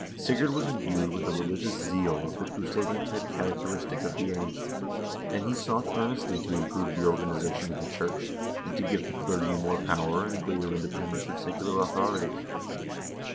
Sigurd was imbued with a religious zeal 334 HISTORY OP THE NORWEGIAN PEOPLE of the crusading type characteristic of the age, and he sought ear nestly to improve the organization of the church, and to give the clergy more power and greater independence of secular authorities.